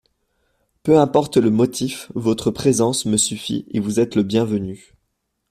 Peu importe le motif, votre présence me suffit et vous êtes le bienvenu.